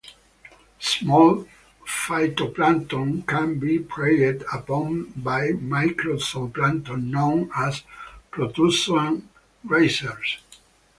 Small phytoplankton can be preyed upon by micro-zooplankton known as protozoan grazers.